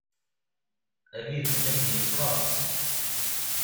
Abidun-agi yeqqers.